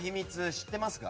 知っていますか？